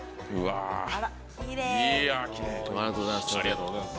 ありがとうございます。